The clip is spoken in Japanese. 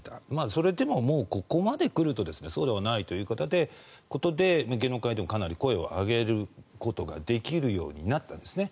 それでもここまで来るとそうではないということで芸能界でもかなり声を上げることができるようになったんですね。